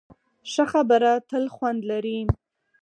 ښه خبره تل خوند لري.